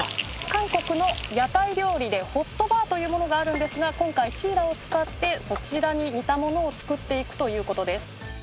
韓国の屋台料理でホットバーというものがあるんですが今回シイラを使ってそちらに似たものを作っていくということです